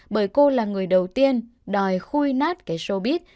bởi cô là người đầu tiên đòi khui nát cái shobit